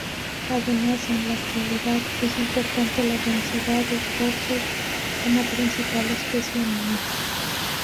Además, en la actualidad, es importante la densidad de corzos como principal especie animal.